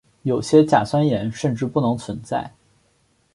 有些甲酸盐甚至不能存在。